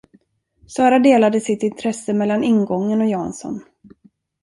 Sara delade sitt intresse mellan ingången och Jansson.